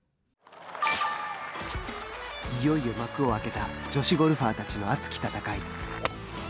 いよいよ幕を開けた女子ゴルファーたちの熱き戦い。